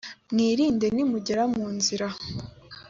mwirinde nimugera munzira.